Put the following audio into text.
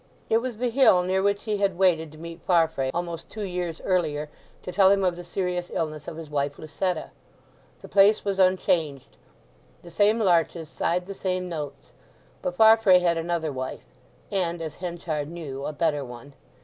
It was the hill near which he had waited to meet Farfrae, almost two years earlier, to tell him of the serious illness of his wife Lucetta. The place was unchanged; the same larches sighed the same notes; but Farfrae had another wife—and, as Henchard knew, a better one.